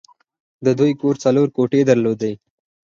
د دوی کور څلور کوټې درلودې